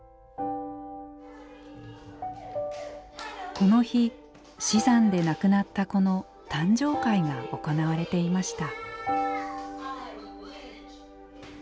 この日死産で亡くなった子の誕生会が行われていました。